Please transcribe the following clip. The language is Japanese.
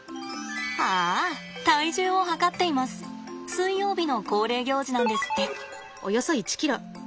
水曜日の恒例行事なんですって。